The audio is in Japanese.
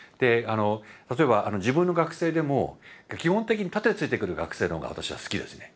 例えば自分の学生でも基本的に盾ついてくる学生の方が私は好きですね。